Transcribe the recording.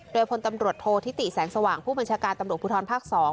โดยพลตำรวจโทษธิติแสงสว่างผู้บัญชาการตำรวจภูทรภาค๒